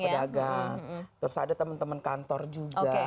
pedagang terus ada teman teman kantor juga